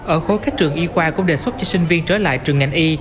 ở khối các trường y khoa cũng đề xuất cho sinh viên trở lại trường ngành y